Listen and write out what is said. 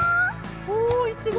おおいちご！